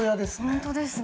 本当ですね。